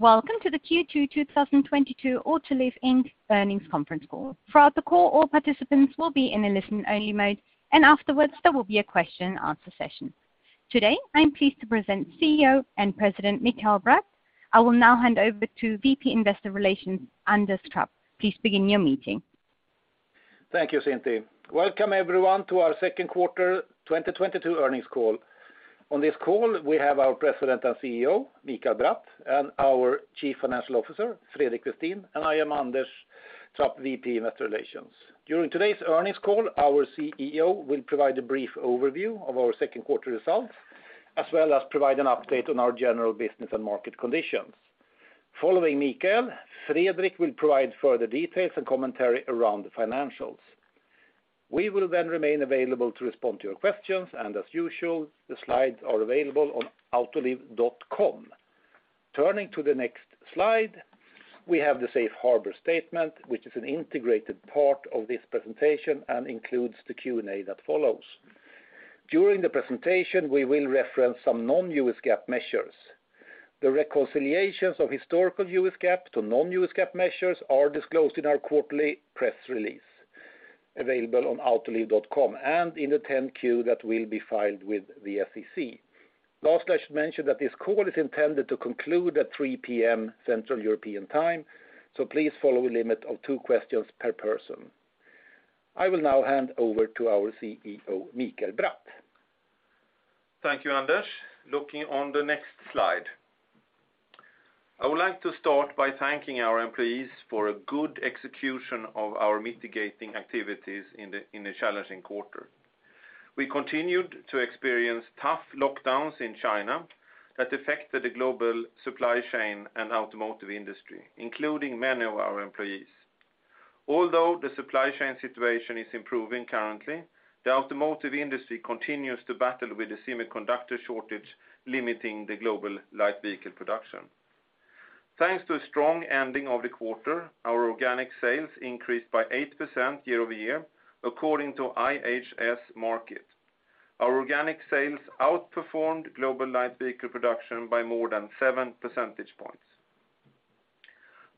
Welcome to the Q2 2022 Autoliv Inc Earnings Conference Call. Throughout the call, all participants will be in a listen only mode, and afterwards there will be a question and answer session. Today, I am pleased to present CEO and President Mikael Bratt. I will now hand over to VP Investor Relations Anders Trapp. Please begin your meeting. Thank you, Cindy. Welcome everyone to our Second Quarter 2022 Earnings Call. On this call, we have our President and CEO, Mikael Bratt, and our Chief Financial Officer, Fredrik Westin, and I am Anders Trapp, VP Investor Relations. During today's earnings call, our CEO will provide a brief overview of our second quarter results, as well as provide an update on our general business and market conditions. Following Mikael, Fredrik will provide further details and commentary around the financials. We will then remain available to respond to your questions, and as usual, the slides are available on autoliv.com. Turning to the next slide, we have the safe harbor statement, which is an integrated part of this presentation and includes the Q&A that follows. During the presentation, we will reference some non-U.S. GAAP measures. The reconciliations of historical U.S. GAAP to non-U.S. GAAP measures are disclosed in our quarterly press release available on autoliv.com and in the 10-Q that will be filed with the SEC. Last, I should mention that this call is intended to conclude at 3:00 P.M. Central European Time, so please follow a limit of two questions per person. I will now hand over to our CEO, Mikael Bratt. Thank you, Anders. Looking on the next slide. I would like to start by thanking our employees for a good execution of our mitigating activities in a challenging quarter. We continued to experience tough lockdowns in China that affected the global supply chain and automotive industry, including many of our employees. Although the supply chain situation is improving currently, the automotive industry continues to battle with the semiconductor shortage, limiting the global light vehicle production. Thanks to a strong ending of the quarter, our organic sales increased by 8% year-over-year, according to IHS Markit. Our organic sales outperformed global light vehicle production by more than seven percentage points.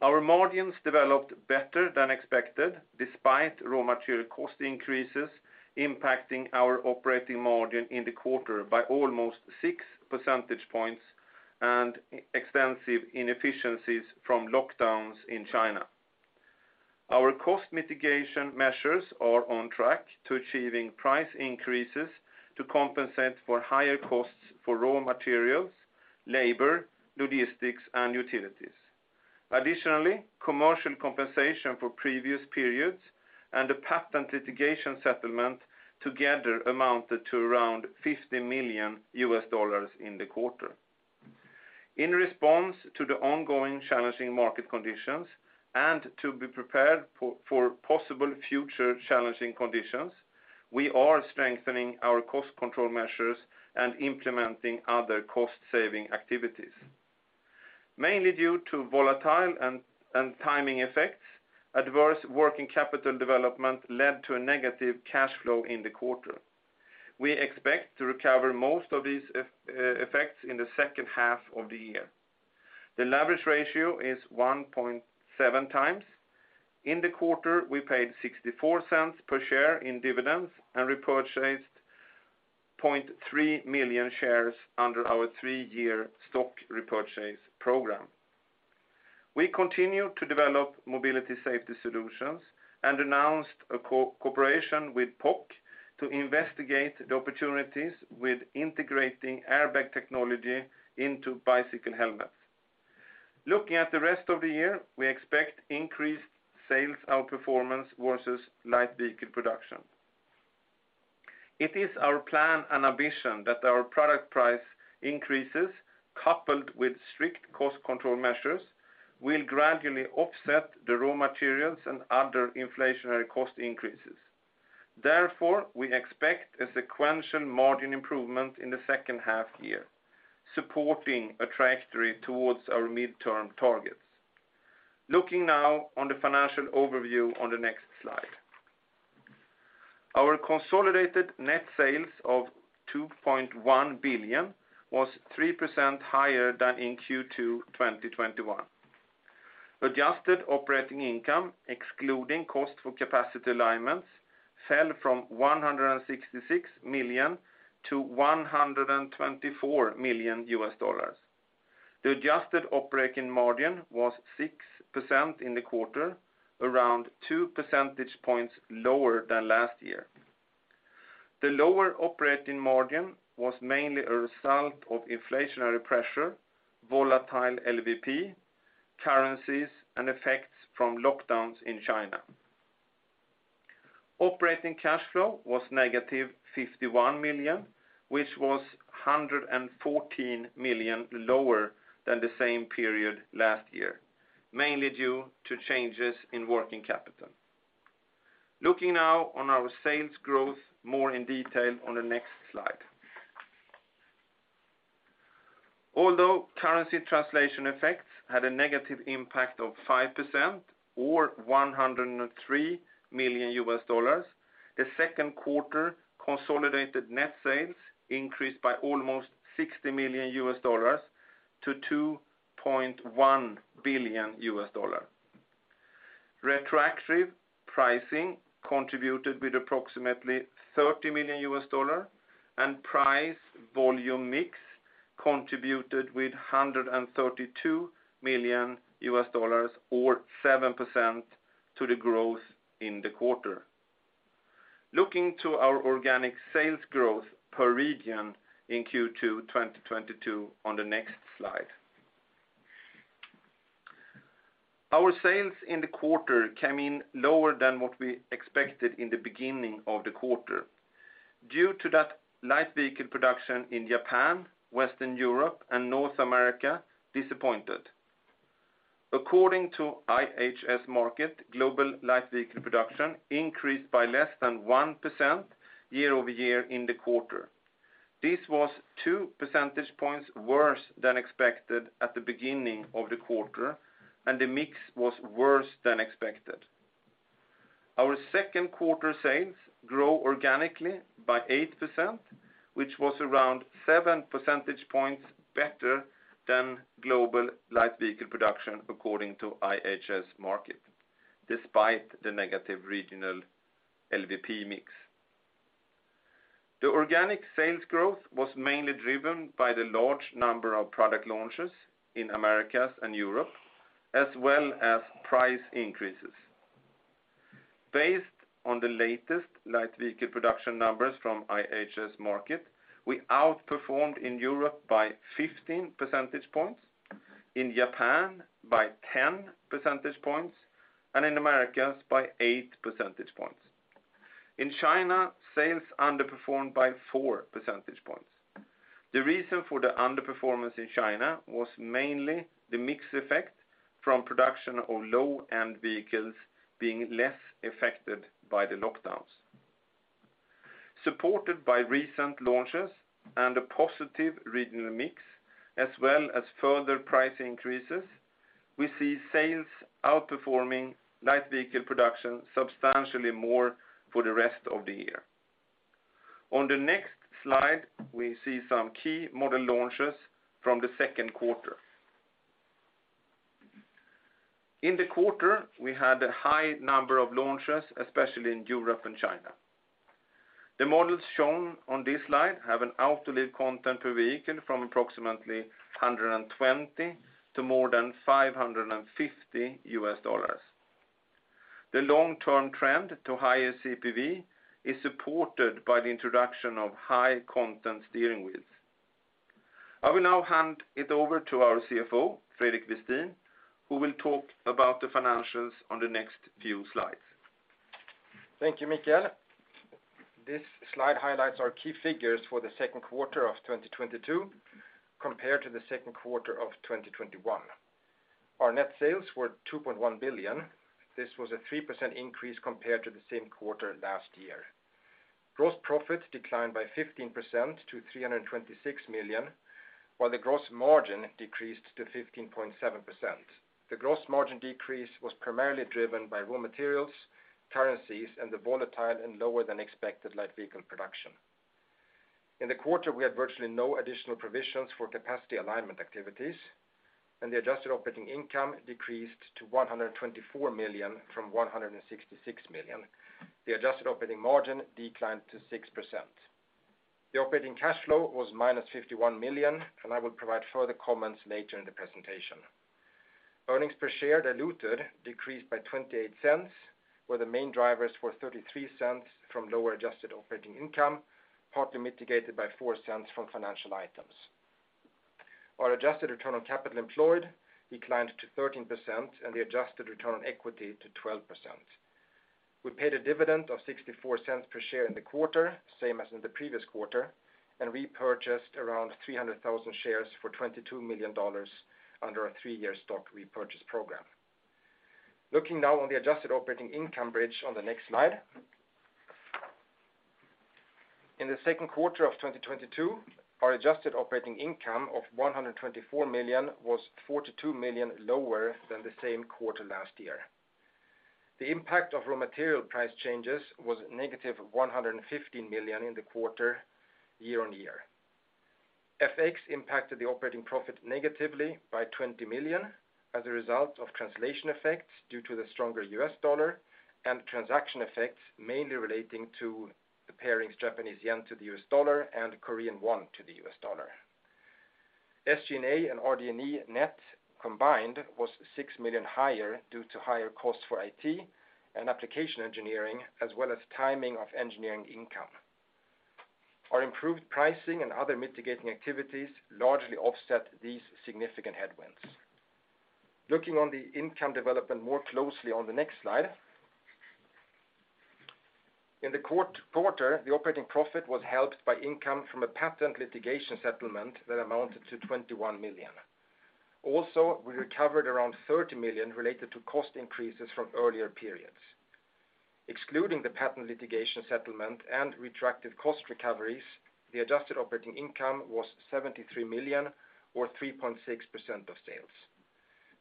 Our margins developed better than expected despite raw material cost increases impacting our operating margin in the quarter by almost six percentage points and extensive inefficiencies from lockdowns in China. Our cost mitigation measures are on track to achieving price increases to compensate for higher costs for raw materials, labor, logistics, and utilities. Additionally, commercial compensation for previous periods and a patent litigation settlement together amounted to around $50 million in the quarter. In response to the ongoing challenging market conditions, and to be prepared for possible future challenging conditions, we are strengthening our cost control measures and implementing other cost saving activities. Mainly due to volatile and timing effects, adverse working capital development led to a negative cash flow in the quarter. We expect to recover most of these effects in the second half of the year. The leverage ratio is 1.7x. In the quarter, we paid $0.64 per share in dividends and repurchased 0.3 million shares under our three-year stock repurchase program. We continue to develop mobility safety solutions and announced a cooperation with POC to investigate the opportunities with integrating airbag technology into bicycle helmets. Looking at the rest of the year, we expect increased sales outperformance versus light vehicle production. It is our plan and ambition that our product price increases coupled with strict cost control measures will gradually offset the raw materials and other inflationary cost increases. Therefore, we expect a sequential margin improvement in the second half year, supporting a trajectory towards our midterm targets. Looking now on the financial overview on the next slide. Our consolidated net sales of $2.1 billion was 3% higher than in Q2 2021. Adjusted operating income, excluding cost for capacity alignments, fell from $166 million to $124 million. The adjusted operating margin was 6% in the quarter, around two percentage points lower than last year. The lower operating margin was mainly a result of inflationary pressure, volatile LVP, currencies, and effects from lockdowns in China. Operating cash flow was negative $51 million, which was $114 million lower than the same period last year, mainly due to changes in working capital. Looking now on our sales growth more in detail on the next slide. Although currency translation effects had a negative impact of 5% or $103 million. The second quarter consolidated net sales increased by almost $60 million-$2.1 billion. Retroactive pricing contributed with approximately $30 million and price volume mix contributed with $132 million or 7% to the growth in the quarter. Looking to our organic sales growth per region in Q2, 2022 on the next slide. Our sales in the quarter came in lower than what we expected in the beginning of the quarter. Due to that light vehicle production in Japan, Western Europe, and North America disappointed. According to IHS Markit, global light vehicle production increased by less than 1% year-over-year in the quarter. This was two percentage points worse than expected at the beginning of the quarter, and the mix was worse than expected. Our second quarter sales grow organically by 8%, which was around seven percentage points better than global light vehicle production according to IHS Markit, despite the negative regional LVP mix. The organic sales growth was mainly driven by the large number of product launches in Americas and Europe, as well as price increases. Based on the latest light vehicle production numbers from IHS Markit, we outperformed in Europe by 15 percentage points, in Japan by 10 percentage points, and in Americas by eight percentage points. In China, sales underperformed by four percentage points. The reason for the underperformance in China was mainly the mix effect from production of low-end vehicles being less affected by the lockdowns. Supported by recent launches and a positive regional mix as well as further price increases, we see sales outperforming light vehicle production substantially more for the rest of the year. On the next slide, we see some key model launches from the second quarter. In the quarter, we had a high number of launches, especially in Europe and China. The models shown on this slide have an Autoliv content per vehicle from approximately $120 to more than $550. The long-term trend to higher CPV is supported by the introduction of high content steering wheels. I will now hand it over to our CFO, Fredrik Westin, who will talk about the financials on the next few slides. Thank you, Mikael. This slide highlights our key figures for the second quarter of 2022 compared to the second quarter of 2021. Our net sales were $2.1 billion. This was a 3% increase compared to the same quarter last year. Gross profit declined by 15% to $326 million, while the gross margin decreased to 15.7%. The gross margin decrease was primarily driven by raw materials, currencies, and the volatile and lower than expected light vehicle production. In the quarter, we had virtually no additional provisions for capacity alignment activities, and the adjusted operating income decreased to $124 million from $166 million. The adjusted operating margin declined to 6%. The operating cash flow was -$51 million, and I will provide further comments later in the presentation. Earnings per share decreased by $0.28, where the main drivers were $0.33 from lower adjusted operating income, partly mitigated by $0.04 from financial items. Our adjusted return on capital employed declined to 13% and the adjusted return on equity to 12%. We paid a dividend of $0.64 per share in the quarter, same as in the previous quarter, and repurchased around 300,000 shares for $22 million under our three-year stock repurchase program. Looking now on the adjusted operating income bridge on the next slide. In the second quarter of 2022, our adjusted operating income of $124 million was $42 million lower than the same quarter last year. The impact of raw material price changes was negative $115 million in the quarter year-on-year. FX impacted the operating profit negatively by $20 million as a result of translation effects due to the stronger U.S. dollar and transaction effects mainly relating to the pairings Japanese yen to the U.S. dollar and Korean won to the U.S. dollar. SG&A and RD&E net combined was $6 million higher due to higher costs for IT and application engineering, as well as timing of engineering income. Our improved pricing and other mitigating activities largely offset these significant headwinds. Looking on the income development more closely on the next slide. In the quarter, the operating profit was helped by income from a patent litigation settlement that amounted to $21 million. We recovered around $30 million related to cost increases from earlier periods. Excluding the patent litigation settlement and retracted cost recoveries, the adjusted operating income was $73 million or 3.6% of sales.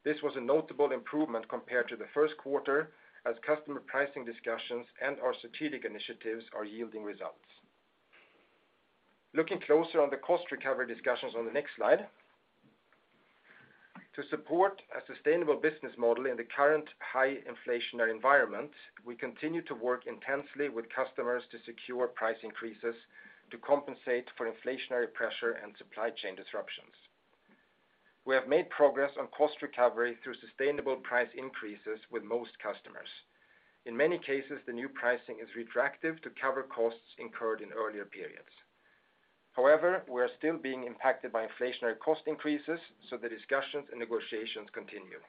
This was a notable improvement compared to the first quarter as customer pricing discussions and our strategic initiatives are yielding results. Looking closer on the cost recovery discussions on the next slide. To support a sustainable business model in the current high inflationary environment, we continue to work intensely with customers to secure price increases to compensate for inflationary pressure and supply chain disruptions. We have made progress on cost recovery through sustainable price increases with most customers. In many cases, the new pricing is retroactive to cover costs incurred in earlier periods. However, we are still being impacted by inflationary cost increases, so the discussions and negotiations continue.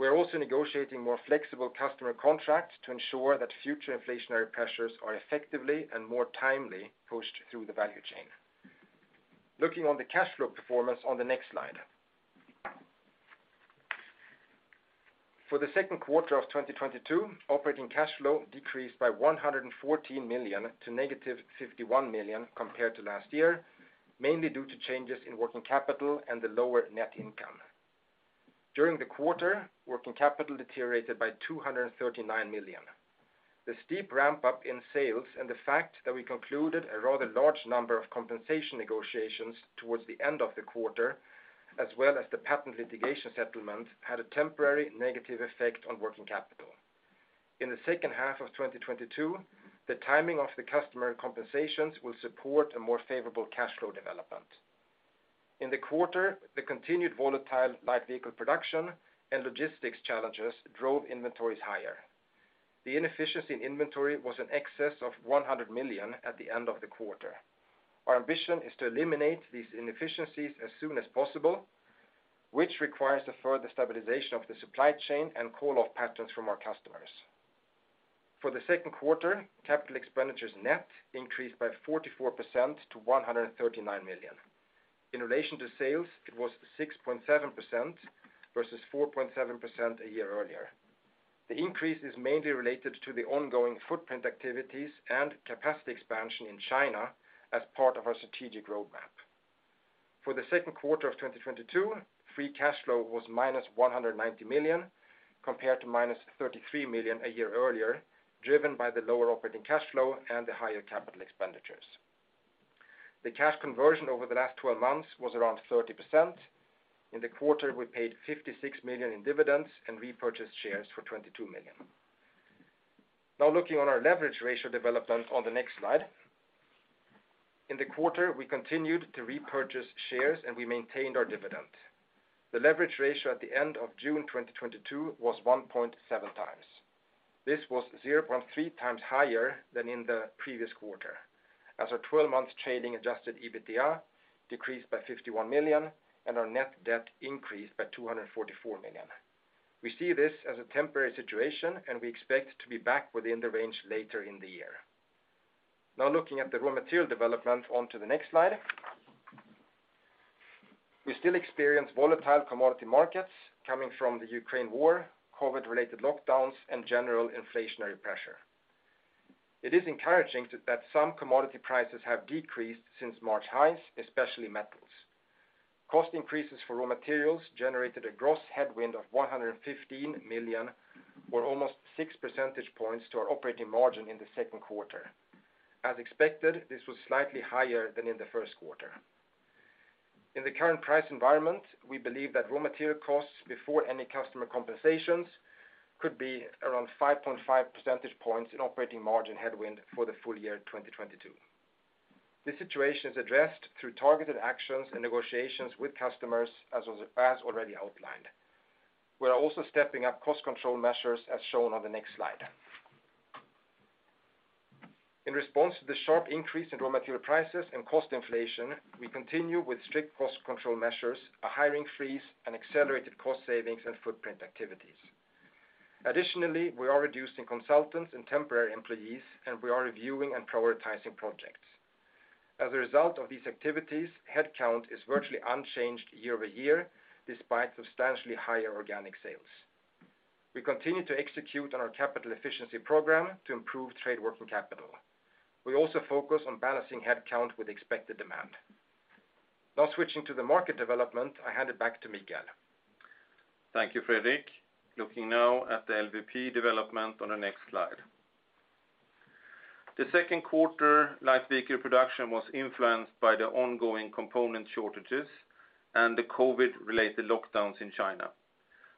We're also negotiating more flexible customer contracts to ensure that future inflationary pressures are effectively and more timely pushed through the value chain. Looking on the cash flow performance on the next slide. For the second quarter of 2022, operating cash flow decreased by $114 million to negative $51 million compared to last year, mainly due to changes in working capital and the lower net income. During the quarter, working capital deteriorated by $239 million. The steep ramp-up in sales and the fact that we concluded a rather large number of compensation negotiations towards the end of the quarter, as well as the patent litigation settlement, had a temporary negative effect on working capital. In the second half of 2022, the timing of the customer compensations will support a more favorable cash flow development. In the quarter, the continued volatile light vehicle production and logistics challenges drove inventories higher. The inefficiency in inventory was in excess of $100 million at the end of the quarter. Our ambition is to eliminate these inefficiencies as soon as possible, which requires a further stabilization of the supply chain and call-off patterns from our customers. For the second quarter, capital expenditures net increased by 44% to $139 million. In relation to sales, it was 6.7% versus 4.7% a year earlier. The increase is mainly related to the ongoing footprint activities and capacity expansion in China as part of our strategic roadmap. For the second quarter of 2022, free cash flow was -$190 million compared to -$33 million a year earlier, driven by the lower operating cash flow and the higher capital expenditures. The cash conversion over the last 12 months was around 30%. In the quarter, we paid $56 million in dividends and repurchased shares for $22 million. Now looking on our leverage ratio development on the next slide. In the quarter, we continued to repurchase shares, and we maintained our dividend. The leverage ratio at the end of June 2022 was 1.7x. This was 0.3x higher than in the previous quarter, as our 12-month trailing adjusted EBITDA decreased by $51 million, and our net debt increased by $244 million. We see this as a temporary situation, and we expect to be back within the range later in the year. Now looking at the raw material development onto the next slide. We still experience volatile commodity markets coming from the Ukraine war, COVID-related lockdowns, and general inflationary pressure. It is encouraging that some commodity prices have decreased since March highs, especially metals. Cost increases for raw materials generated a gross headwind of $115 million, or almost six percentage points to our operating margin in the second quarter. As expected, this was slightly higher than in the first quarter. In the current price environment, we believe that raw material costs before any customer compensations could be around 5.5 percentage points in operating margin headwind for the full year 2022. This situation is addressed through targeted actions and negotiations with customers as already outlined. We are also stepping up cost control measures as shown on the next slide. In response to the sharp increase in raw material prices and cost inflation, we continue with strict cost control measures, a hiring freeze, and accelerated cost savings and footprint activities. Additionally, we are reducing consultants and temporary employees, and we are reviewing and prioritizing projects. As a result of these activities, headcount is virtually unchanged year-over-year, despite substantially higher organic sales. We continue to execute on our capital efficiency program to improve trade working capital. We also focus on balancing headcount with expected demand. Now switching to the market development, I hand it back to Mikael. Thank you, Fredrik. Looking now at the LVP development on the next slide. The second quarter light vehicle production was influenced by the ongoing component shortages and the COVID-related lockdowns in China.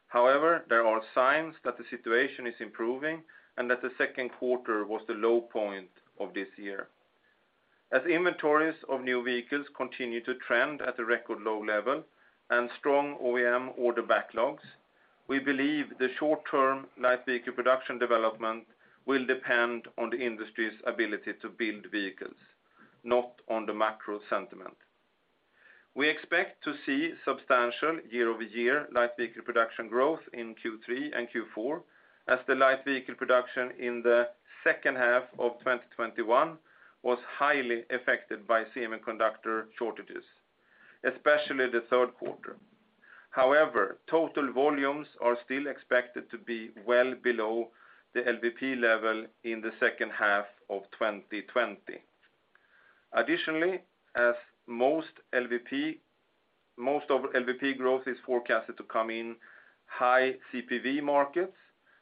However, there are signs that the situation is improving and that the second quarter was the low point of this year. As inventories of new vehicles continue to trend at a record low level and strong OEM order backlogs, we believe the short-term light vehicle production development will depend on the industry's ability to build vehicles, not on the macro sentiment. We expect to see substantial year-over-year light vehicle production growth in Q3 and Q4, as the light vehicle production in the second half of 2021 was highly affected by semiconductor shortages, especially the third quarter. However, total volumes are still expected to be well below the LVP level in the second half of 2020. Additionally, as most of LVP growth is forecasted to come in high CPV markets,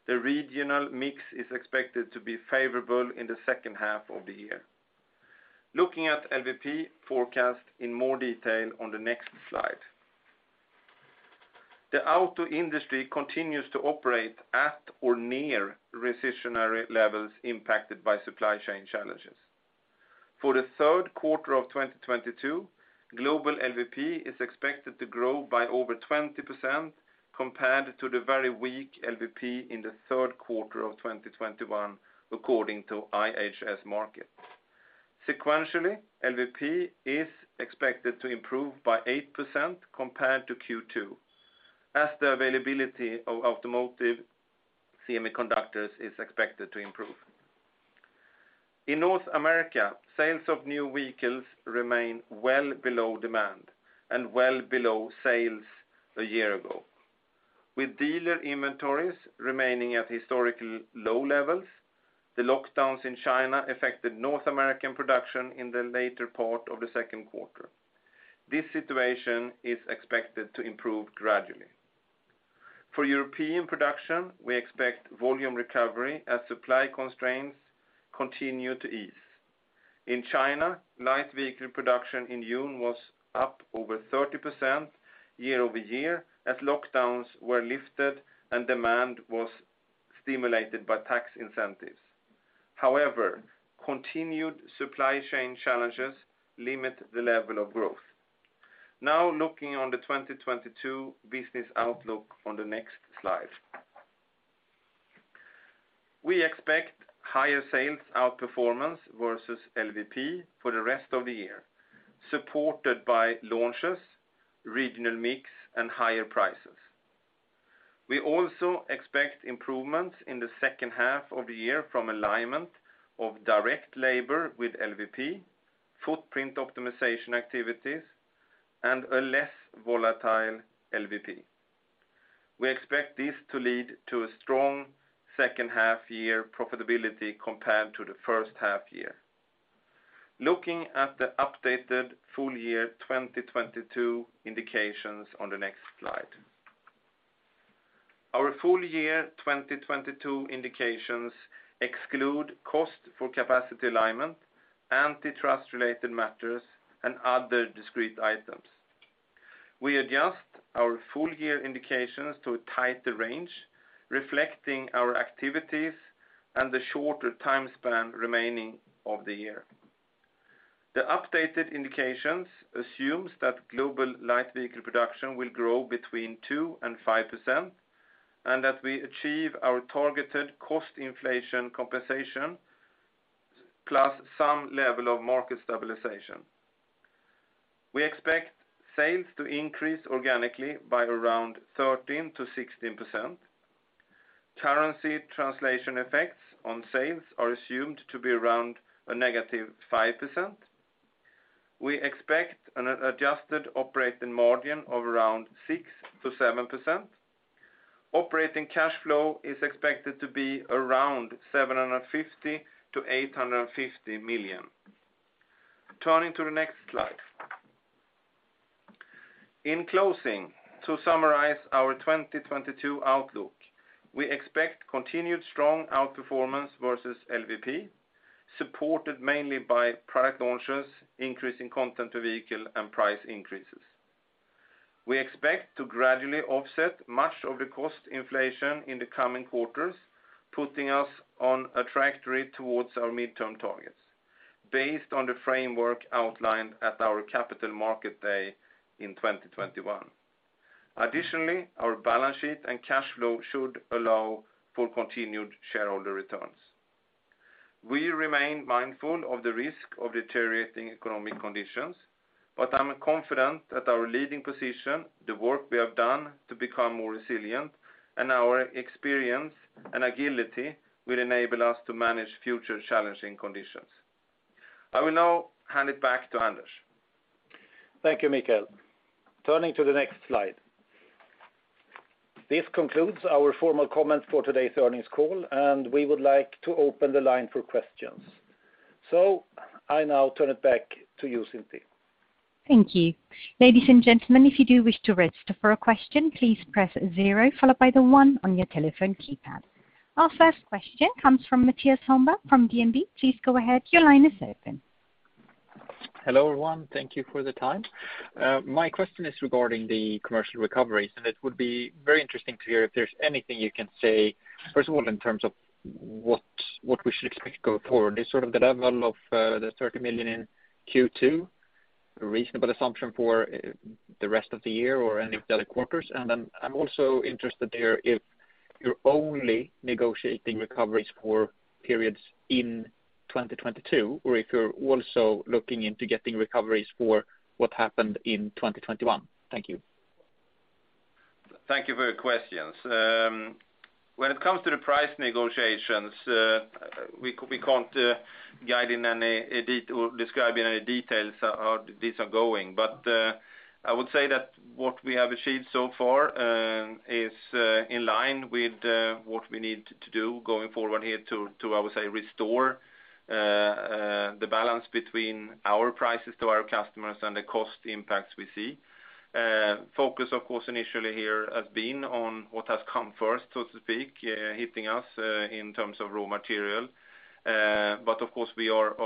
the regional mix is expected to be favorable in the second half of the year. Looking at LVP forecast in more detail on the next slide. The auto industry continues to operate at or near recessionary levels impacted by supply chain challenges. For the third quarter of 2022, global LVP is expected to grow by over 20% compared to the very weak LVP in the third quarter of 2021, according to IHS Markit. Sequentially, LVP is expected to improve by 8% compared to Q2, as the availability of automotive semiconductors is expected to improve. In North America, sales of new vehicles remain well below demand and well below sales a year ago. With dealer inventories remaining at historically low levels, the lockdowns in China affected North American production in the later part of the second quarter. This situation is expected to improve gradually. For European production, we expect volume recovery as supply constraints continue to ease. In China, light vehicle production in June was up over 30% year-over-year as lockdowns were lifted and demand was stimulated by tax incentives. However, continued supply chain challenges limit the level of growth. Now looking at the 2022 business outlook on the next slide. We expect higher sales outperformance versus LVP for the rest of the year, supported by launches, regional mix, and higher prices. We also expect improvements in the second half of the year from alignment of direct labor with LVP, footprint optimization activities, and a less volatile LVP. We expect this to lead to a strong second half year profitability compared to the first half year. Looking at the updated full year 2022 indications on the next slide. Our full year 2022 indications exclude cost for capacity alignment, antitrust related matters, and other discrete items. We adjust our full year indications to a tighter range reflecting our activities and the shorter time span remaining of the year. The updated indications assumes that global light vehicle production will grow between 2% and 5%, and that we achieve our targeted cost inflation compensation plus some level of market stabilization. We expect sales to increase organically by around 13%-16%. Currency translation effects on sales are assumed to be around -5%. We expect an adjusted operating margin of around 6%-7%. Operating cash flow is expected to be around $750 million-$850 million. Turning to the next slide. In closing, to summarize our 2022 outlook, we expect continued strong outperformance versus LVP, supported mainly by product launches, increasing content per vehicle, and price increases. We expect to gradually offset much of the cost inflation in the coming quarters, putting us on a trajectory towards our midterm targets based on the framework outlined at our Capital Markets Day in 2021. Additionally, our balance sheet and cash flow should allow for continued shareholder returns. We remain mindful of the risk of deteriorating economic conditions, but I'm confident that our leading position, the work we have done to become more resilient, and our experience and agility will enable us to manage future challenging conditions. I will now hand it back to Anders. Thank you, Mikael. Turning to the next slide. This concludes our formal comments for today's earnings call, and we would like to open the line for questions. I now turn it back to you, Cynthia. Thank you. Ladies and gentlemen, if you do wish to register for a question, please press zero followed by the one on your telephone keypad. Our first question comes from Mattias Holmberg from DNB. Please go ahead. Your line is open. Hello, everyone. Thank you for the time. My question is regarding the commercial recoveries, and it would be very interesting to hear if there's anything you can say, first of all, in terms of what we should expect going forward. Is sort of the level of the $30 million in Q2 a reasonable assumption for the rest of the year or any of the other quarters? Then I'm also interested to hear if you're only negotiating recoveries for periods in 2022 or if you're also looking into getting recoveries for what happened in 2021. Thank you. Thank you for your questions. When it comes to the price negotiations, we can't guide in any detail or describe in any details how these are going. I would say that what we have achieved so far is in line with what we need to do going forward here to, I would say, restore the balance between our prices to our customers and the cost impacts we see. Focus, of course, initially here has been on what has come first, so to speak, hitting us in terms of raw material. Of course we are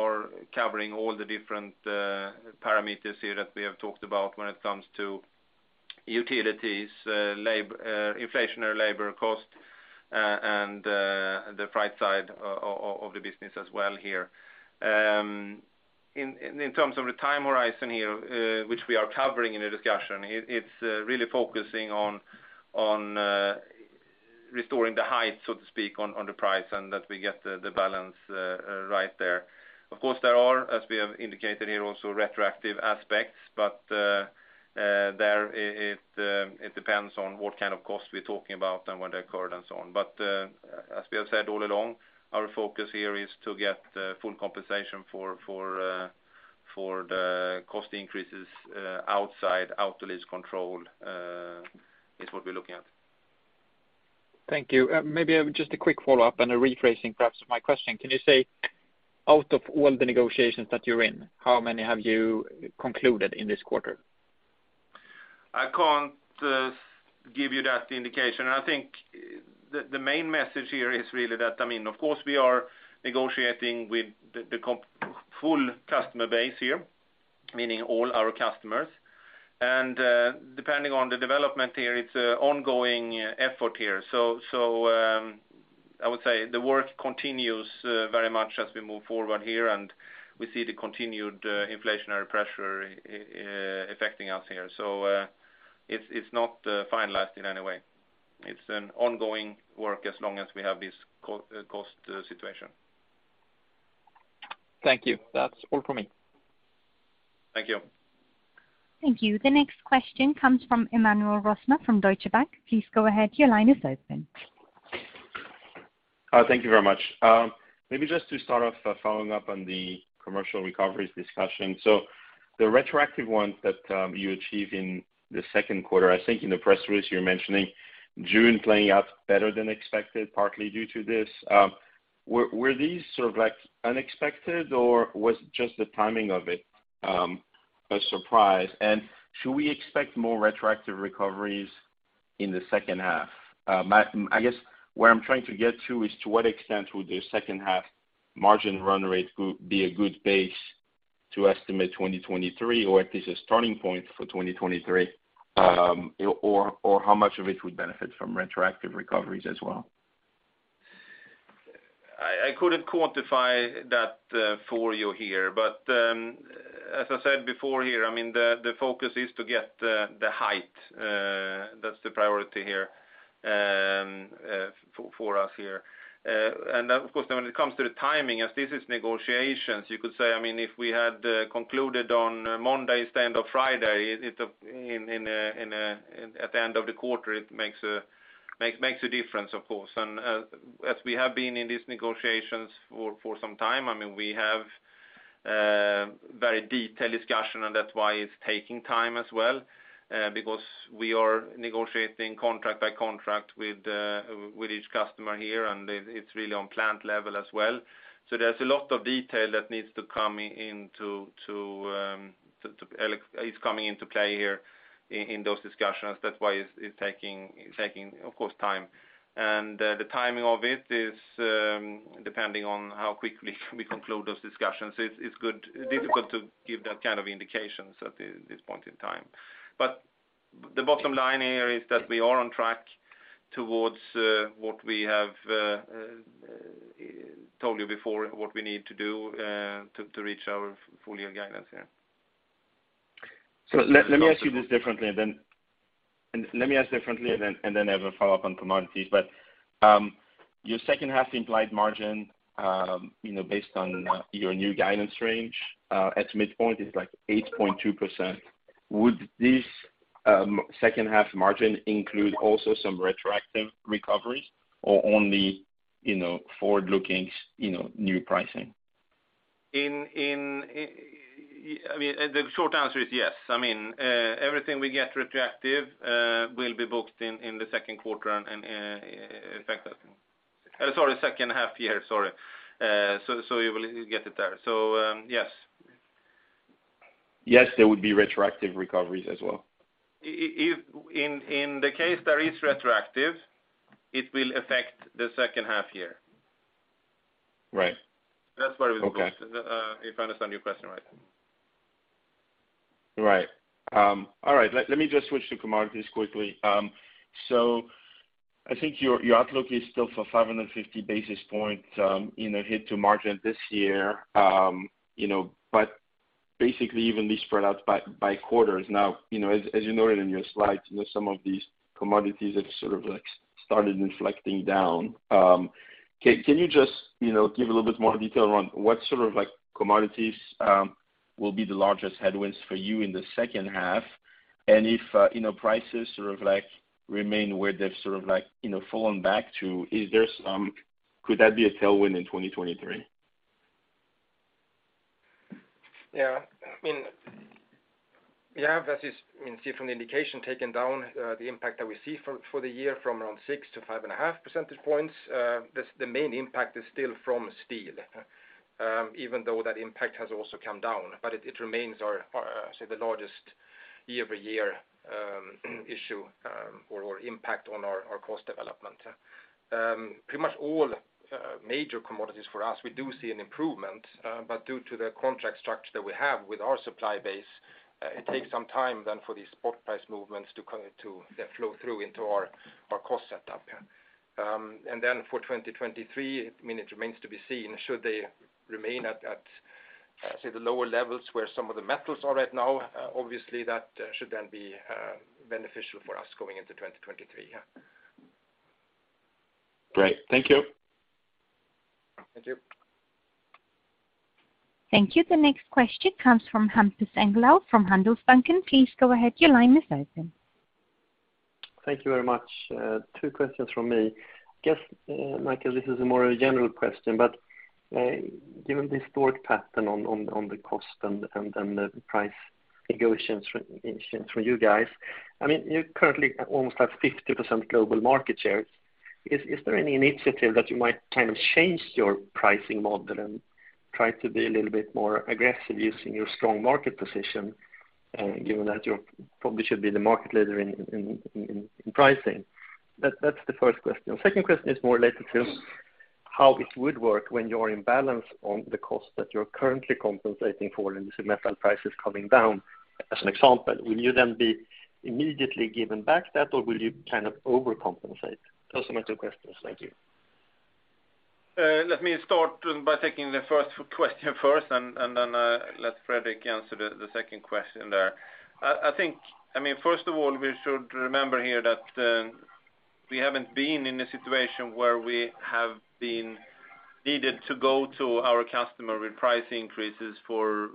covering all the different parameters here that we have talked about when it comes to utilities, inflationary labor cost, and the price side of the business as well here. In terms of the time horizon here, which we are covering in the discussion, it's really focusing on restoring the height, so to speak, on the price and that we get the balance right there. Of course, there are, as we have indicated here, also retroactive aspects, but it depends on what kind of costs we're talking about and when they occurred and so on. As we have said all along, our focus here is to get full compensation for the cost increases outside Autoliv's control, is what we're looking at. Thank you. Maybe just a quick follow-up and a rephrasing perhaps my question. Can you say out of all the negotiations that you're in, how many have you concluded in this quarter? I can't give you that indication. I think the main message here is really that, I mean, of course, we are negotiating with the full customer base here, meaning all our customers. Depending on the development here, it's a ongoing effort here. I would say the work continues very much as we move forward here, and we see the continued inflationary pressure affecting us here. It's not finalized in any way. It's an ongoing work as long as we have this cost situation. Thank you. That's all for me. Thank you. Thank you. The next question comes from Emmanuel Rosner from Deutsche Bank. Please go ahead. Your line is open. Thank you very much. Maybe just to start off by following up on the commercial recoveries discussion. The retroactive ones that you achieve in the second quarter, I think in the press release you're mentioning June playing out better than expected, partly due to this. Were these sort of like unexpected or was just the timing of it a surprise? Should we expect more retroactive recoveries in the second half? I guess where I'm trying to get to is to what extent would the second half margin run rate be a good base to estimate 2023, or at least a starting point for 2023? Or how much of it would benefit from retroactive recoveries as well? I couldn't quantify that for you here. As I said before here, I mean, the focus is to get the height. That's the priority here for us here. Of course, when it comes to the timing, as this is negotiations, you could say, I mean, if we had concluded on Monday instead of Friday, it in at the end of the quarter, it makes a difference, of course. As we have been in these negotiations for some time, I mean, we have very detailed discussion, and that's why it's taking time as well, because we are negotiating contract by contract with each customer here, and it's really on plant level as well. There's a lot of detail that is coming into play here in those discussions. That's why it's taking, of course, time. The timing of it is depending on how quickly we conclude those discussions. It's difficult to give that kind of indications at this point in time. The bottom line here is that we are on track towards what we have told you before, what we need to do to reach our full year guidance, yeah. Let me ask you this differently, and then I have a follow-up on commodities. Your second half implied margin, you know, based on your new guidance range, at midpoint is like 8.2%. Would this second half margin include also some retroactive recoveries or only, you know, forward-looking, you know, new pricing? I mean, the short answer is yes. I mean, everything we get retroactive will be booked in the second quarter and affect that. Sorry, second half year, sorry. You will get it there. Yes. Yes, there would be retroactive recoveries as well. If in the case there is retroactive, it will affect the second half year. Right. That's where it was booked. Okay. If I understand your question right. Right. All right. Let me just switch to commodities quickly. So I think your outlook is still for 550 basis points in a hit to margin this year. You know, but basically even this spread out by quarters. Now, you know, as you noted in your slides, you know, some of these commodities have sort of like started inflecting down. Can you just, you know, give a little bit more detail around what sort of like commodities will be the largest headwinds for you in the second half? And if you know, prices sort of like remain where they've sort of like, you know, fallen back to, could that be a tailwind in 2023? We have, as you can see from the indication, taken down the impact that we see for the year from around 6-5.5 percentage points. The main impact is still from steel, even though that impact has also come down, but it remains our say the largest year-over-year issue, or impact on our cost development. Pretty much all major commodities for us, we do see an improvement, but due to the contract structure that we have with our supply base, it takes some time then for the spot price movements to flow through into our cost setup. For 2023, I mean, it remains to be seen should they remain at, say, the lower levels where some of the metals are right now, obviously that should then be beneficial for us going into 2023, yeah. Great. Thank you. Thank you. Thank you. The next question comes from Hampus Engellau from Handelsbanken. Please go ahead. Your line is open. Thank you very much. Two questions from me. Mikael, this is a more general question, but given the historic pattern on the cost and the price negotiations from you guys, I mean, you currently almost have 50% global market share. Is there any initiative that you might kind of change your pricing model and try to be a little bit more aggressive using your strong market position, given that you probably should be the market leader in pricing? That's the first question. Second question is more related to how it would work when you're in balance on the cost that you're currently compensating for and you see metal prices coming down, as an example. Will you then be immediately given back that, or will you kind of overcompensate? Those are my two questions. Thank you. Let me start by taking the first question first, and then let Fredrik answer the second question there. I mean, first of all, we should remember here that we haven't been in a situation where we have been needed to go to our customer with price increases for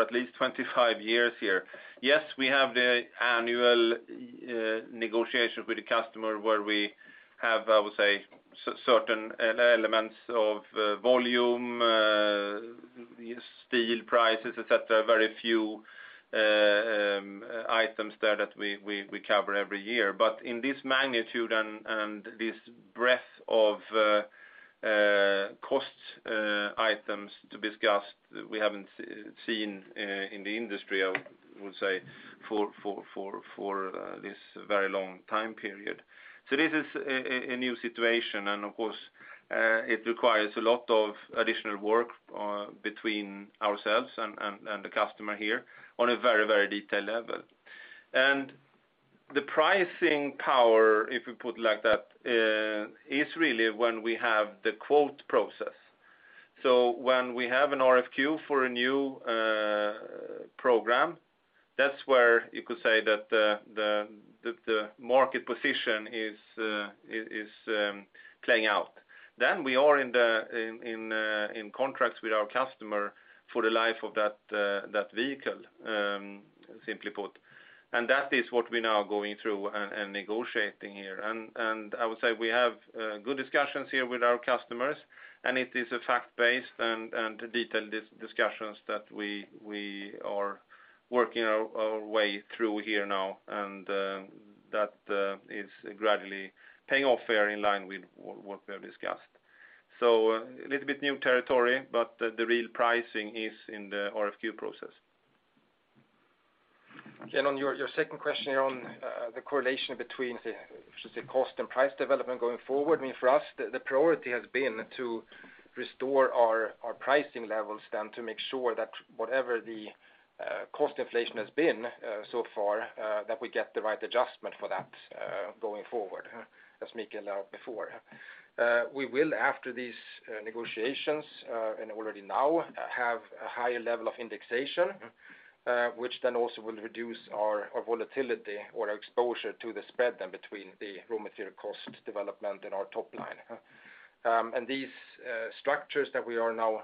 at least 25 years here. Yes, we have the annual negotiation with the customer where we have, I would say, certain elements of volume, steel prices, et cetera, very few items there that we cover every year. But in this magnitude and this breadth of cost items to discuss, we haven't seen it in the industry, I would say, for this very long time period. This is a new situation, and of course, it requires a lot of additional work between ourselves and the customer here on a very detailed level. The pricing power, if you put it like that, is really when we have the quote process. When we have an RFQ for a new program, that's where you could say that the market position is playing out. We are in contracts with our customer for the life of that vehicle, simply put. That is what we're now going through and negotiating here. I would say we have good discussions here with our customers, and it is a fact-based and detailed discussions that we are working our way through here now, and that is gradually paying off here in line with what we have discussed. So a little bit new territory, but the real pricing is in the RFQ process. On your second question on the correlation between, should I say, cost and price development going forward, I mean, for us, the priority has been to restore our pricing levels then to make sure that whatever the cost inflation has been so far that we get the right adjustment for that going forward, as Mikael outlined before. We will after these negotiations and already now have a higher level of indexation, which then also will reduce our volatility or our exposure to the spread then between the raw material cost development and our top line. These structures that we are now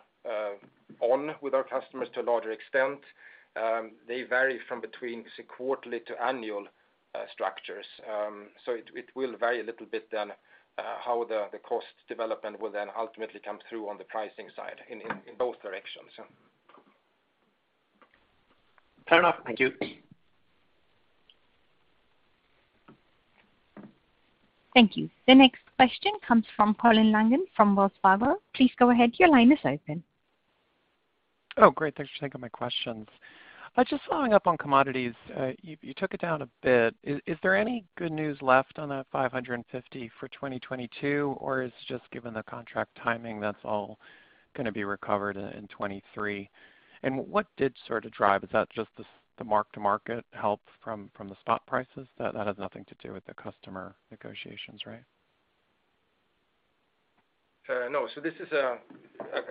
on with our customers to a larger extent, they vary from between, say, quarterly to annual structures. It will vary a little bit then, how the cost development will then ultimately come through on the pricing side in both directions. Fair enough. Thank you. Thank you. The next question comes from Colin Langan from Wells Fargo. Please go ahead. Your line is open. Oh, great. Thanks for taking my questions. Just following up on commodities, you took it down a bit. Is there any good news left on that $550 for 2022, or is just given the contract timing, that's all gonna be recovered in 2023? What did sort of drive? Is that just the mark to market help from the spot prices? That has nothing to do with the customer negotiations, right? No. This is a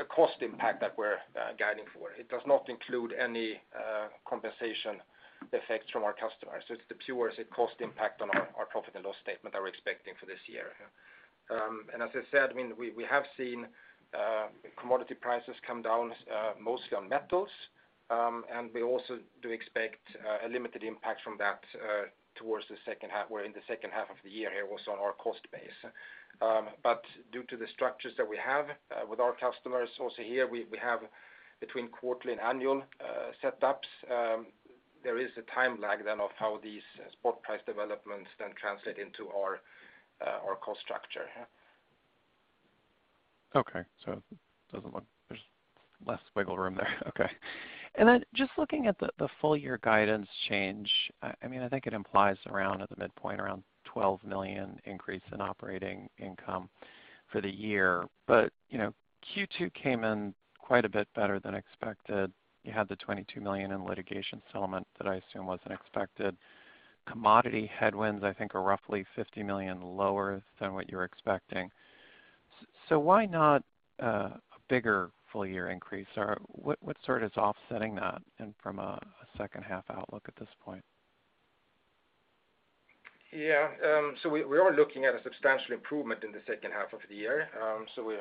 cost impact that we're guiding for. It does not include any compensation effects from our customers. It's the pure, say, cost impact on our profit and loss statement that we're expecting for this year. As I said, I mean, we have seen commodity prices come down, mostly on metals, and we also do expect a limited impact from that in the second half of the year here also on our cost base. Due to the structures that we have with our customers also here, we have between quarterly and annual setups. There is a time lag then of how these spot price developments then translate into our cost structure. Okay. Doesn't look like there's less wiggle room there. Okay. Just looking at the full year guidance change, I mean, I think it implies around, at the midpoint, around $12 million increase in operating income for the year. You know, Q2 came in quite a bit better than expected. You had the $22 million in litigation settlement that I assume wasn't expected. Commodity headwinds, I think, are roughly $50 million lower than what you're expecting. So why not a bigger full year increase? Or what sort of is offsetting that and from a second half outlook at this point? Yeah. We are looking at a substantial improvement in the second half of the year. We're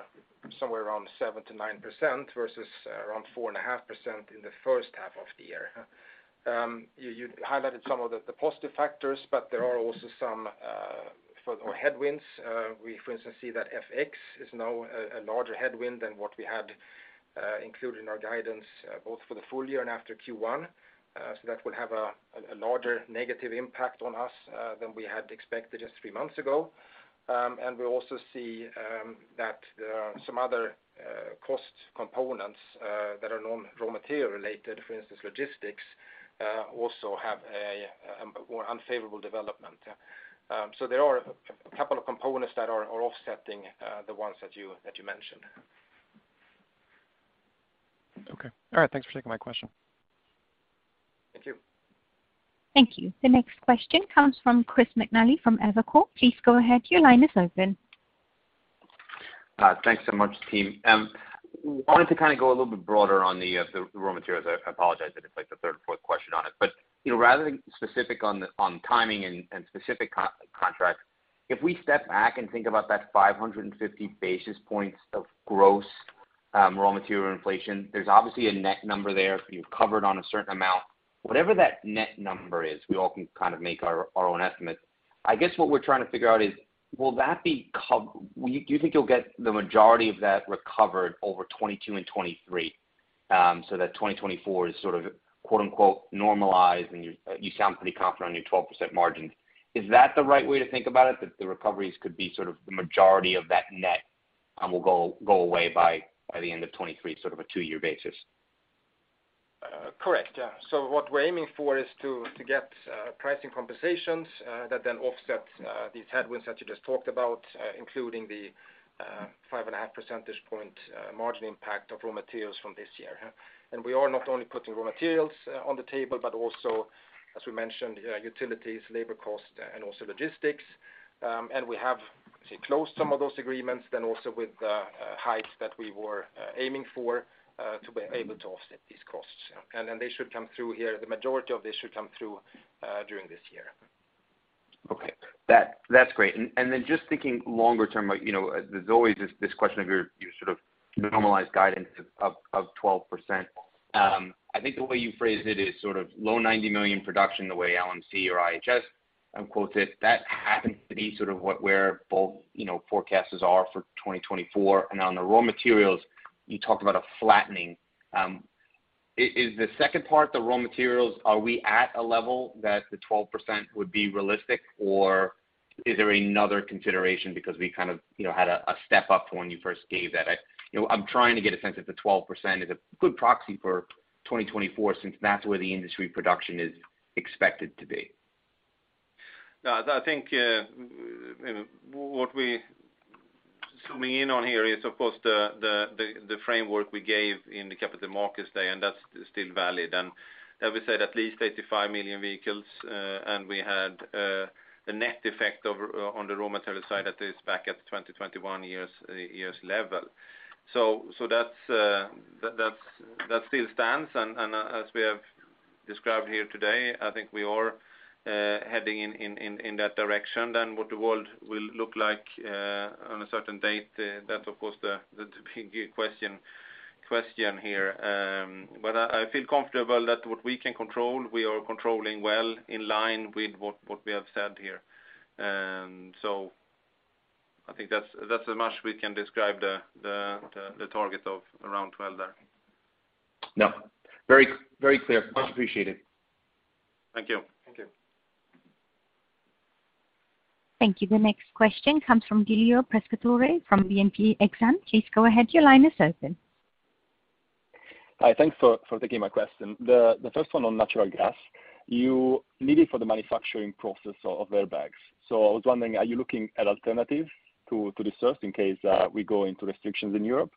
somewhere around 7%-9% versus around 4.5% in the first half of the year. You highlighted some of the positive factors, but there are also some further headwinds. We, for instance, see that FX is now a larger headwind than what we had included in our guidance both for the full year and after Q1. That will have a larger negative impact on us than we had expected just three months ago. We also see that there are some other cost components that are non raw material related, for instance, logistics also have a more unfavorable development. There are a couple of components that are offsetting the ones that you mentioned. Okay. All right. Thanks for taking my question. Thank you. Thank you. The next question comes from Chris McNally from Evercore. Please go ahead, your line is open. Thanks so much, team. I wanted to kind of go a little bit broader on the raw materials. I apologize that it's like the third or fourth question on it. You know, rather than specific on timing and specific contract, if we step back and think about that 550 basis points of gross raw material inflation, there's obviously a net number there. You've covered on a certain amount. Whatever that net number is, we all can kind of make our own estimate. I guess what we're trying to figure out is, will that be covered. Do you think you'll get the majority of that recovered over 2022 and 2023, so that 2024 is sort of quote, unquote, normalized, and you sound pretty confident on your 12% margin. Is that the right way to think about it, that the recoveries could be sort of the majority of that net and will go away by the end of 2023, sort of a two-year basis? Correct. Yeah. What we're aiming for is to get pricing compensations that then offset these headwinds that you just talked about, including the 5.5 percentage point margin impact of raw materials from this year. We are not only putting raw materials on the table, but also, as we mentioned, utilities, labor cost, and also logistics. We have, say, closed some of those agreements then also with hikes that we were aiming for to be able to offset these costs. They should come through here. The majority of this should come through during this year. Okay. That's great. Then just thinking longer term, like, you know, there's always this question of your sort of normalized guidance of 12%. I think the way you phrased it is sort of low 90 million production the way LMC or IHS quotes it. That happens to be sort of what both, you know, forecasters are for 2024. On the raw materials, you talked about a flattening. Is the second part, the raw materials, are we at a level that the 12% would be realistic, or is there another consideration because we kind of, you know, had a step up when you first gave that? You know, I'm trying to get a sense if the 12% is a good proxy for 2024 since that's where the industry production is expected to be. No. I think what we're zooming in on here is, of course, the framework we gave in the Capital Markets Day, and that's still valid. As we said, at least 85 million vehicles, and we had the net effect of, on the raw material side that is back at 2021 levels. That still stands. As we have described here today, I think we are heading in that direction that the world will look like on a certain date. That's, of course, the big question here. I feel comfortable that what we can control, we are controlling well in line with what we have said here. I think that's as much we can describe the target of around 12 there. No, very, very clear. Much appreciated. Thank you. Thank you. Thank you. The next question comes from Giulio Pescatore from BNP Exane. Please go ahead, your line is open. Hi. Thanks for taking my question. The first one on natural gas, you need it for the manufacturing process of airbags. I was wondering, are you looking at alternatives to this source in case we go into restrictions in Europe?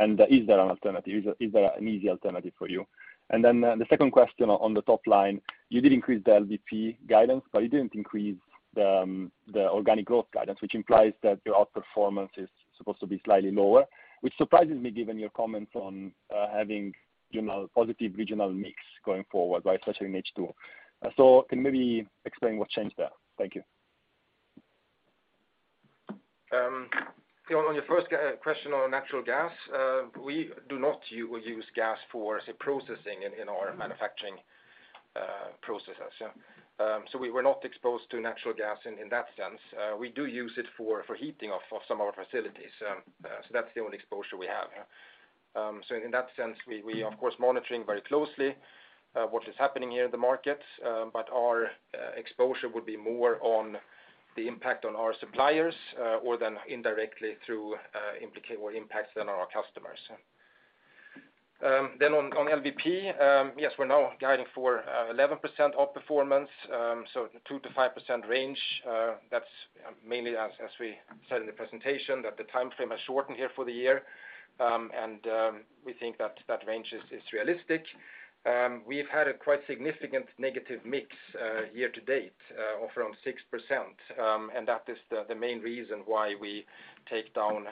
Is there an alternative? Is there an easy alternative for you? The second question on the top line, you did increase the LVP guidance, but you didn't increase the organic growth guidance, which implies that your outperformance is supposed to be slightly lower, which surprises me given your comments on having, you know, positive regional mix going forward, right, especially in H2. Can you maybe explain what changed there? Thank you. On your first question on natural gas, we do not use gas for say, processing in our manufacturing processes. Yeah. We were not exposed to natural gas in that sense. We do use it for heating of some of our facilities. That's the only exposure we have. In that sense, we of course are monitoring very closely what is happening here in the market. But our exposure would be more on the impact on our suppliers rather than indirectly through implications or impacts on our customers. On LVP, yes, we're now guiding for 11% outperformance, so 2%-5% range. That's mainly, as we said in the presentation, that the timeframe has shortened here for the year. We think that range is realistic. We've had a quite significant negative mix year to date of around 6%, and that is the main reason why we take down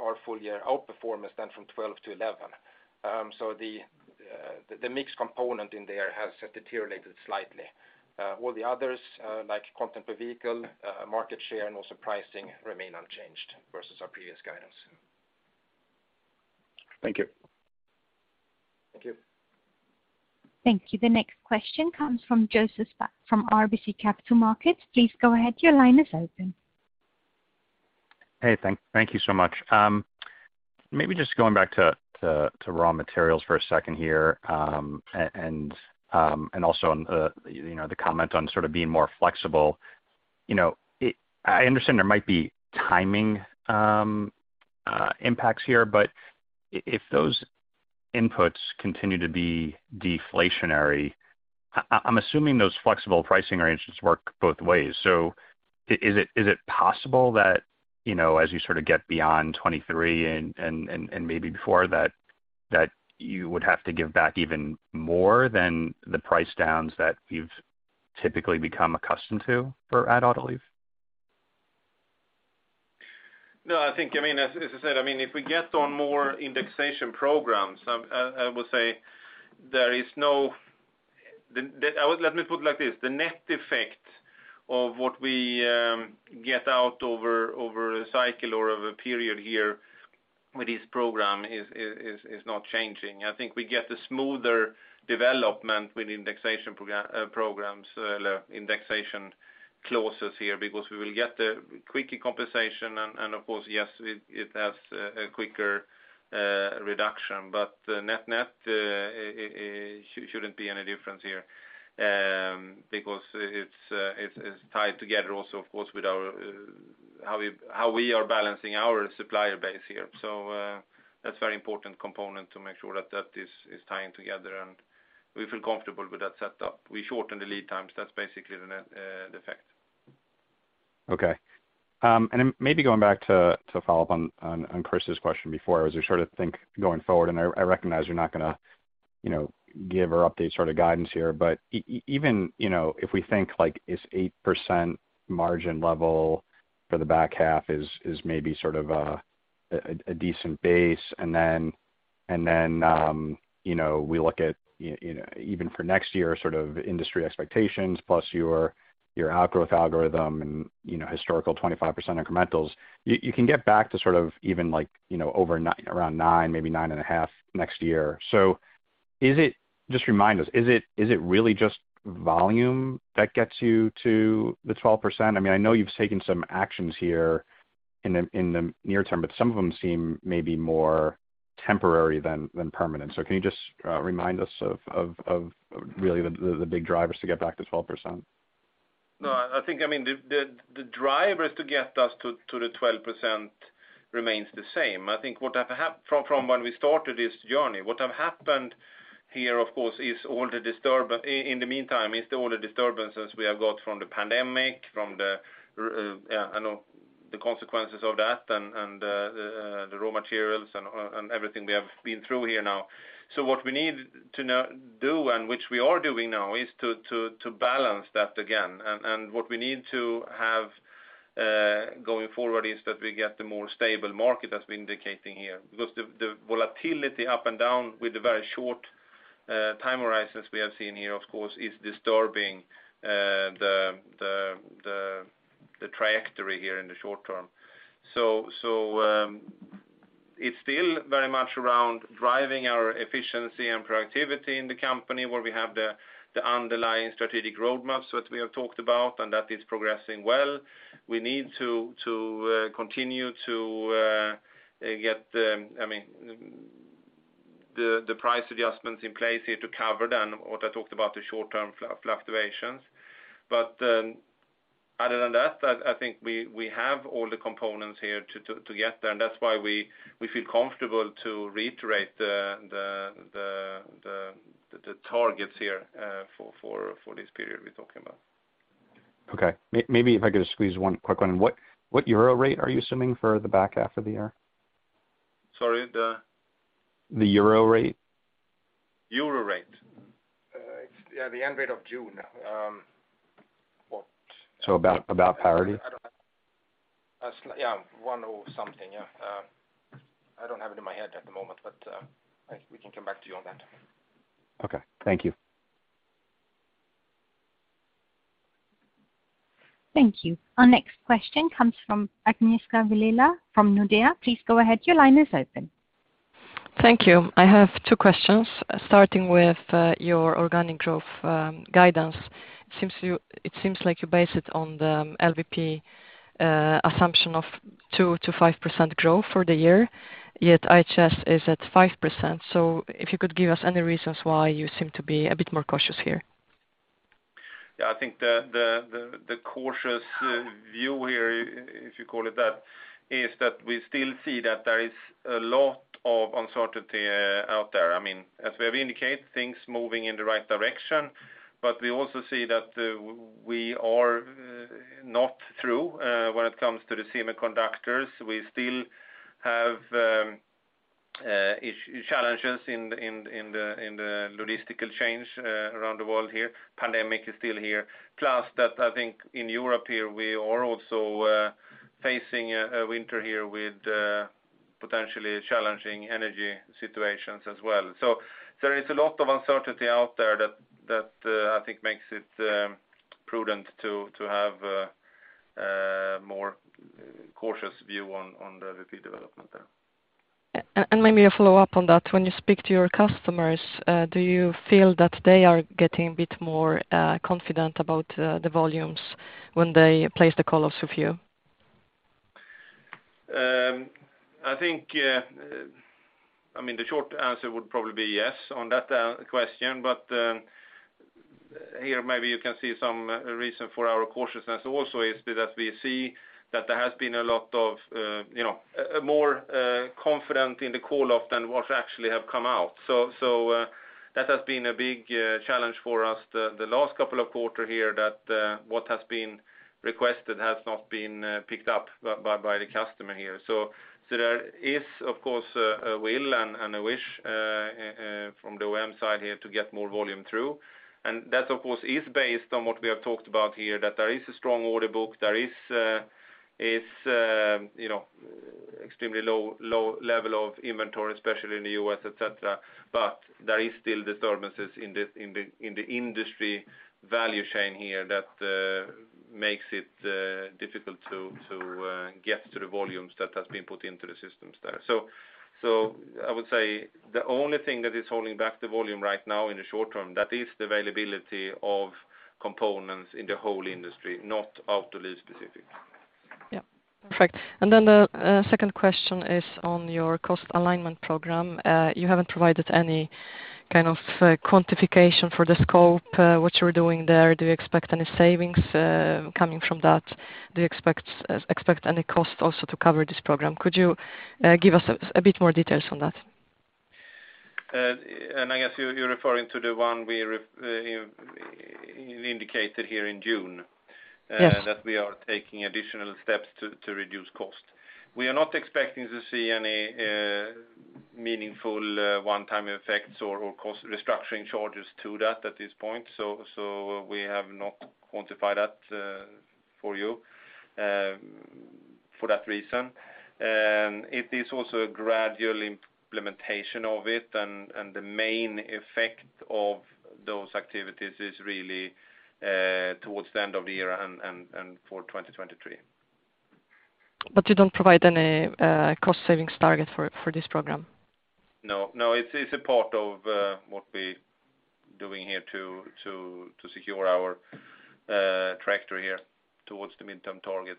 our full year outperformance from 12-11. The mix component in there has deteriorated slightly. All the others, like content per vehicle, market share and also pricing remain unchanged versus our previous guidance. Thank you. Thank you. Thank you. The next question comes from Joseph Spak from RBC Capital Markets. Please go ahead, your line is open. Hey, thank you so much. Maybe just going back to raw materials for a second here. Also on, you know, the comment on sort of being more flexible. You know, I understand there might be timing impacts here, but if those inputs continue to be deflationary, I'm assuming those flexible pricing arrangements work both ways. Is it possible that, you know, as you sort of get beyond 2023 and maybe before that you would have to give back even more than the price downs that you've typically become accustomed to for Autoliv? No, I think, I mean, as I said, I mean, if we get on more indexation programs, let me put it like this. The net effect of what we get out over a cycle or of a period here with this program is not changing. I think we get a smoother development with indexation programs, indexation clauses here because we will get the quicker compensation and, of course, yes, it has a quicker reduction. Net-net, it shouldn't be any difference here, because it's tied together also, of course, with how we are balancing our supplier base here. That's very important component to make sure that is tying together and we feel comfortable with that setup. We shorten the lead times. That's basically the net effect. Okay. Maybe going back to follow up on Chris's question before, as we sort of think going forward, I recognize you're not gonna, you know, give or update sort of guidance here. Even, you know, if we think like this 8% margin level for the back half is maybe sort of a decent base. Then, you know, we look at, you know, even for next year, sort of industry expectations plus your outgrowth algorithm and, you know, historical 25% incrementals, you can get back to sort of even like, you know, over around nine, maybe 9.5 next year. Just remind us, is it really just volume that gets you to the 12%? I mean, I know you've taken some actions here in the near term, but some of them seem maybe more temporary than permanent. Can you just remind us of really the big drivers to get back to 12%? No, I think, I mean, the drivers to get us to the 12% remains the same. I think from when we started this journey, what have happened here, of course, is all the disturbances in the meantime we have got from the pandemic, from the, you know, the consequences of that and the raw materials and everything we have been through here now. What we need to do, and which we are doing now, is to balance that again. What we need to have going forward is that we get the more stable market as we're indicating here. Because the volatility up and down with the very short time horizons we have seen here, of course, is disturbing the trajectory here in the short term. It's still very much around driving our efficiency and productivity in the company, where we have the underlying strategic roadmaps which we have talked about, and that is progressing well. We need to continue to get the, I mean, the price adjustments in place here to cover then what I talked about, the short-term fluctuations. Other than that, I think we have all the components here to get there, and that's why we feel comfortable to reiterate the targets here for this period we're talking about. Okay. Maybe if I could squeeze one quick one. What euro rate are you assuming for the back half of the year? Sorry, the? The euro rate. Euro rate? Mm-hmm. The end rate of June. About parity? Yeah. 1.0 something, yeah. I don't have it in my head at the moment, but we can come back to you on that. Okay. Thank you. Thank you. Our next question comes from Agnieszka Vilela from Nordea. Please go ahead, your line is open. Thank you. I have two questions, starting with your organic growth guidance. It seems like you base it on the LVP assumption of 2%-5% growth for the year, yet IHS Markit is at 5%. If you could give us any reasons why you seem to be a bit more cautious here? Yeah, I think the cautious view here, if you call it that, is that we still see that there is a lot of uncertainty out there. I mean, as we have indicated, things moving in the right direction, but we also see that we are not through when it comes to the semiconductors. We still have challenges in the logistical chain around the world here. Pandemic is still here. Plus that I think in Europe here we are also facing a winter here with potentially challenging energy situations as well. There is a lot of uncertainty out there that I think makes it prudent to have a more cautious view on the LVP development there. Maybe a follow-up on that. When you speak to your customers, do you feel that they are getting a bit more confident about the volumes when they place the call-offs with you? I think, I mean, the short answer would probably be yes on that question. Here, maybe you can see some reason for our cautiousness also is that we see that there has been a lot of, you know, more confident in the call-off than what actually have come out. That has been a big challenge for us the last couple of quarter here that what has been requested has not been picked up by the customer here. There is of course a will and a wish from the OEM side here to get more volume through. That of course is based on what we have talked about here, that there is a strong order book. There is you know extremely low level of inventory, especially in the U.S., et cetera. There is still disturbances in the industry value chain here that makes it difficult to get to the volumes that has been put into the systems there. I would say the only thing that is holding back the volume right now in the short term, that is the availability of components in the whole industry, not Autoliv specific. Yeah. Perfect. The second question is on your cost alignment program. You haven't provided any kind of quantification for the scope, what you're doing there. Do you expect any savings coming from that? Do you expect any cost also to cover this program? Could you give us a bit more details on that? I guess you're referring to the one we indicated here in June. Yes That we are taking additional steps to reduce cost. We are not expecting to see any meaningful one-time effects or cost restructuring charges to that at this point. We have not quantified that for you for that reason. It is also a gradual implementation of it, and the main effect of those activities is really towards the end of the year and for 2023. You don't provide any cost savings target for this program? No, it's a part of what we doing here to secure our trajectory here towards the midterm target.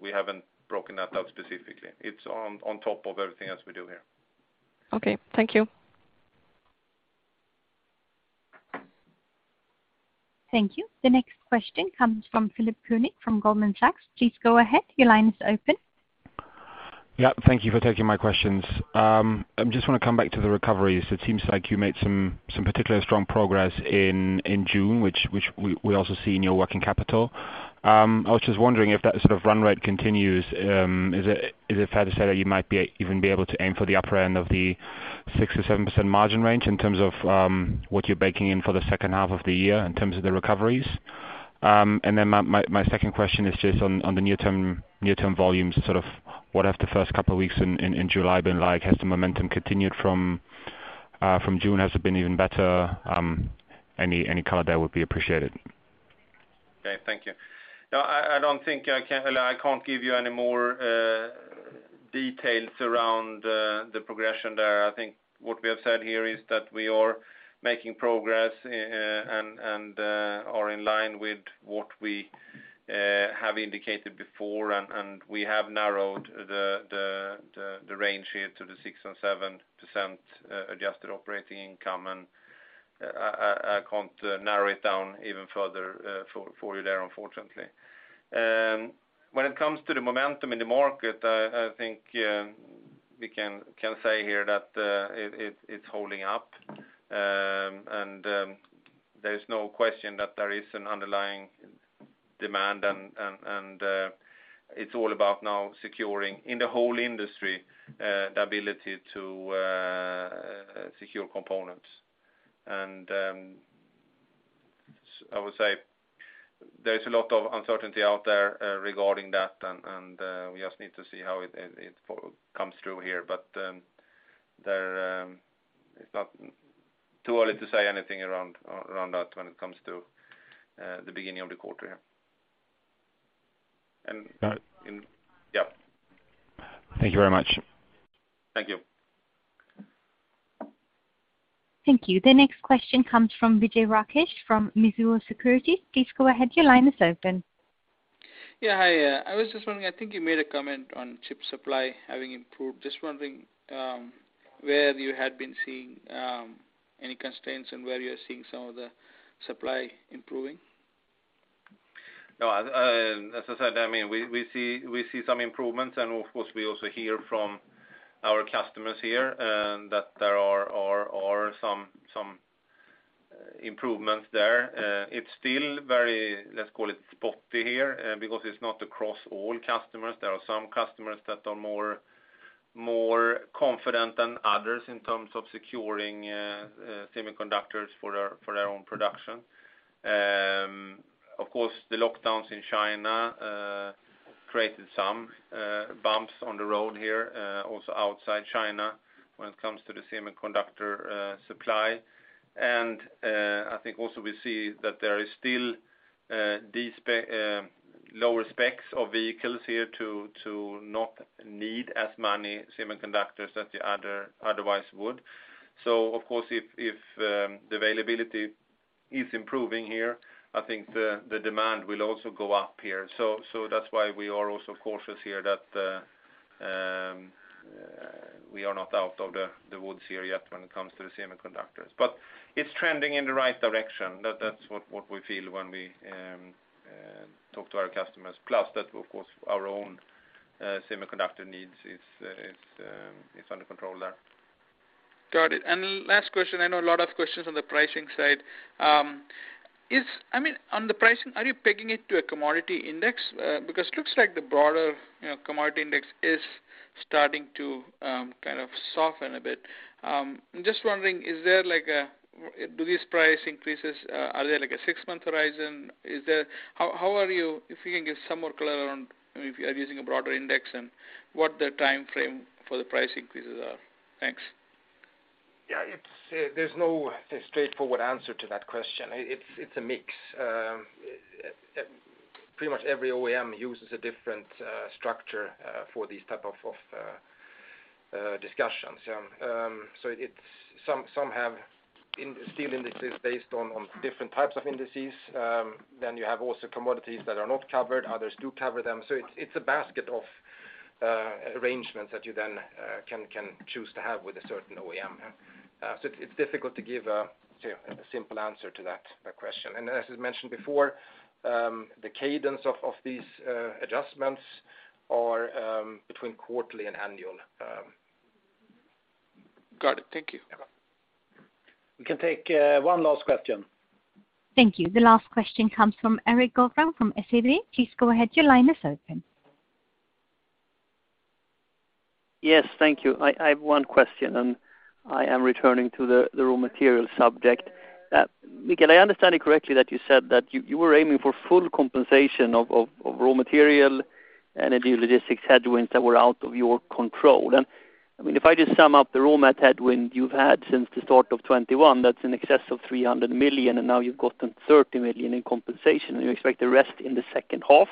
We haven't broken that out specifically. It's on top of everything else we do here. Okay. Thank you. Thank you. The next question comes from Philipp Koenig from Goldman Sachs. Please go ahead. Your line is open. Yeah. Thank you for taking my questions. I just want to come back to the recoveries. It seems like you made some particularly strong progress in June, which we also see in your working capital. I was just wondering if that sort of run rate continues, is it fair to say that you might even be able to aim for the upper end of the 6%-7% margin range in terms of what you're baking in for the second half of the year in terms of the recoveries? My second question is just on the near-term volumes, sort of what have the first couple of weeks in July been like? Has the momentum continued from June? Has it been even better? Any color there would be appreciated. Okay. Thank you. No, I don't think I can. I can't give you any more details around the progression there. I think what we have said here is that we are making progress and are in line with what we have indicated before. We have narrowed the range here to the 6%-7% adjusted operating income. I can't narrow it down even further for you there, unfortunately. When it comes to the momentum in the market, I think we can say here that it's holding up. There is no question that there is an underlying demand and it's all about now securing, in the whole industry, the ability to secure components. I would say there's a lot of uncertainty out there regarding that, and we just need to see how it comes through here. It's not too early to say anything around that when it comes to the beginning of the quarter, yeah. Uh- Yeah. Thank you very much. Thank you. Thank you. The next question comes from Vijay Rakesh from Mizuho Securities. Please go ahead. Your line is open. Hi, I was just wondering, I think you made a comment on chip supply having improved. Just wondering, where you had been seeing any constraints and where you're seeing some of the supply improving? No, as I said, I mean, we see some improvements and of course, we also hear from our customers here that there are some improvements there. It's still very, let's call it spotty here, because it's not across all customers. There are some customers that are more confident than others in terms of securing semiconductors for their own production. Of course, the lockdowns in China created some bumps on the road here, also outside China when it comes to the semiconductor supply. I think also we see that there is still lower specs of vehicles here to not need as many semiconductors that you otherwise would. Of course if the availability is improving here, I think the demand will also go up here. That's why we are also cautious here that we are not out of the woods here yet when it comes to the semiconductors. It's trending in the right direction. That's what we feel when we talk to our customers, plus that of course our own semiconductor needs is under control there. Got it. Last question, I know a lot of questions on the pricing side. I mean, on the pricing, are you pegging it to a commodity index? Because looks like the broader, you know, commodity index is starting to kind of soften a bit. I'm just wondering, do these price increases have like a six-month horizon? If you can give some more color on, I mean, if you are using a broader index and what the timeframe for the price increases are. Thanks. Yeah, there's no straightforward answer to that question. It's a mix. Pretty much every OEM uses a different structure for these type of discussions. So some have steel indices based on different types of indices. Then you have also commodities that are not covered, others do cover them. It's a basket of arrangements that you then can choose to have with a certain OEM. So it's difficult to give a simple answer to that question. As I mentioned before, the cadence of these adjustments are between quarterly and annual. Got it. Thank you. Yeah. We can take one last question. Thank you. The last question comes from Erik Golrang from SEB. Please go ahead. Your line is open. Yes. Thank you. I have one question, and I am returning to the raw material subject. Mikael, I understand it correctly that you said that you were aiming for full compensation of raw material, energy, logistics headwinds that were out of your control. I mean, if I just sum up the raw mat headwind you've had since the start of 2021, that's in excess of $300 million, and now you've gotten $30 million in compensation, and you expect the rest in the second half.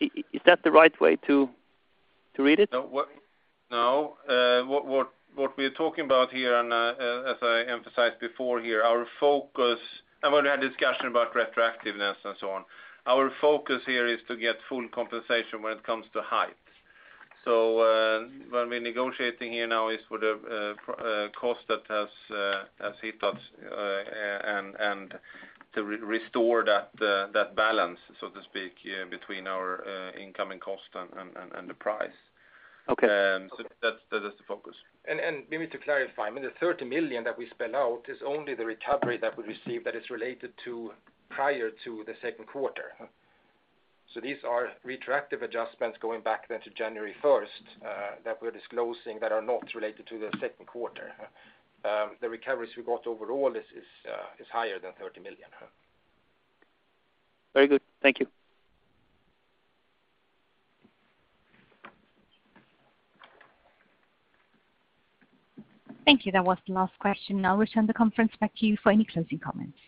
Is that the right way to read it? No. What we're talking about here, as I emphasized before here, our focus. When we had discussion about retroactiveness and so on. Our focus here is to get full compensation when it comes to hikes. What we're negotiating here now is for the cost that has hit us, and to restore that balance, so to speak, between our incoming cost and the price. Okay. That is the focus. Maybe to clarify, I mean, the $30 million that we spell out is only the recovery that we receive that is related to prior to the second quarter. These are retroactive adjustments going back then to January first that we're disclosing that are not related to the second quarter. The recoveries we got overall is higher than $30 million. Very good. Thank you. Thank you. That was the last question. Now return the conference back to you for any closing comments.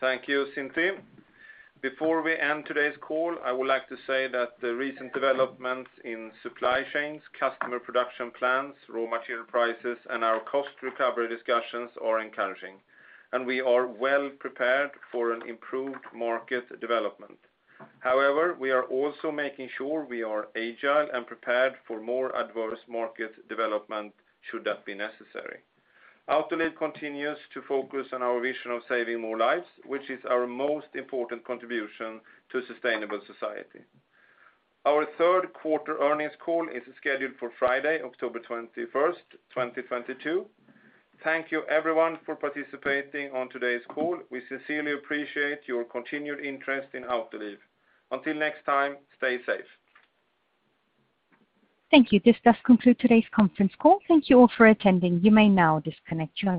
Thank you, Cynthia. Before we end today's call, I would like to say that the recent developments in supply chains, customer production plans, raw material prices, and our cost recovery discussions are encouraging, and we are well prepared for an improved market development. However, we are also making sure we are agile and prepared for more adverse market development should that be necessary. Autoliv continues to focus on our vision of saving more lives, which is our most important contribution to sustainable society. Our third quarter earnings call is scheduled for Friday, October 21st, 2022. Thank you everyone for participating on today's call. We sincerely appreciate your continued interest in Autoliv. Until next time, stay safe. Thank you. This does conclude today's conference call. Thank you all for attending. You may now disconnect your lines.